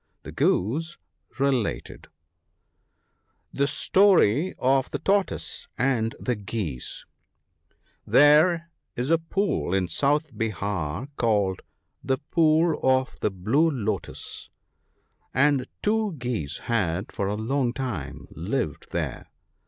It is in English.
' The Goose related — $|je £torp of tfje <£ottot£e anh tfje HERE is a pool in South Behar called the " Pool of the Blue Lotus," and two Geese had for a long time lived there.